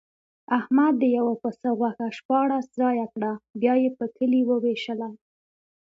احمد د یوه پسه غوښه شپاړس ځایه کړه، بیا یې په کلي ووېشله.